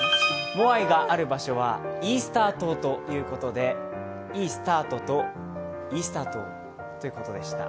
モアイがある場所はイースター島ということで、いいスタートと、イースター島ということでした。